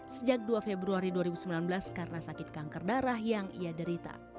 sejak dua februari dua ribu sembilan belas karena sakit kanker darah yang ia derita